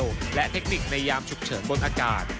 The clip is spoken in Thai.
ความเร็วและเทคนิคในยามฉุกเฉินบนอากาศ